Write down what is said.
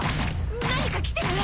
何か来てる！？